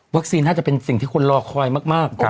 วัคซีนน่าจะเป็นสิ่งที่คุณรอคอยมากครับ